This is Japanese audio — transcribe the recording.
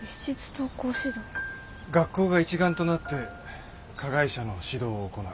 学校が一丸となって加害者の指導を行う。